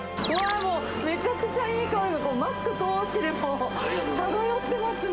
もうめちゃくちゃいい香りがマスク通してでも漂ってますね。